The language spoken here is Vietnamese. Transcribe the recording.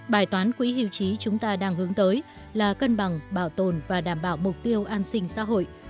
bài toán quỹ hưu trí chúng ta đang hướng tới là cân bằng bảo tồn và đảm bảo mục tiêu an sinh xã hội